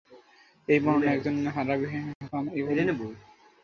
এ বর্ণনায় একজন রাবী হাকাম ইবন যুহায়রকে মুহাদ্দিসগণ যঈফ বলে অভিহিত করেছেন।